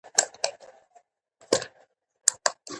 حلاله روزي د برکت لامل ګرځي.